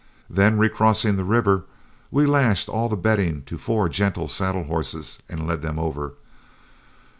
Then recrossing the river, we lashed all the bedding to four gentle saddle horses and led them over.